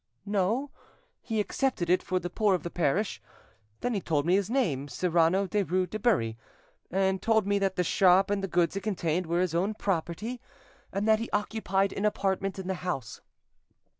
"No; he accepted it for the poor of the parish. Then he told me his name, Cyrano Derues de Bury, and told me that the shop and the goods it contained were his own property, and that he occupied an apartment in the house.